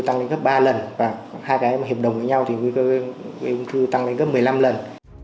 thì nguy cơ ông thư tăng đến gấp một mươi năm lần